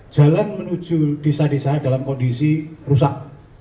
jalan menuju desa desa dalam kondisi rusak